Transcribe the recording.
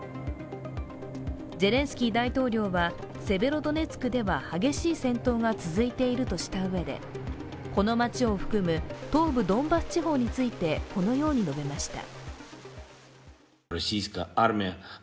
ゼレンスキー大統領はセベロドネツクでは激しい戦闘が続いているとしたうえで、この街を含む東部ドンバス地方についてこのように述べました。